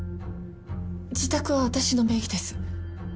自宅は私の名義です。